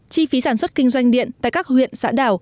chi phí sản xuất kinh doanh điện tại các huyện xã đảo